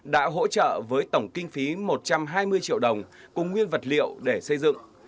đã hỗ trợ với tổng kinh phí một trăm hai mươi triệu đồng cùng nguyên vật liệu để xây dựng